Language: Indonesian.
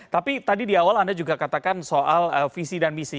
tapi tadi di awal anda juga katakan soal visi dan misi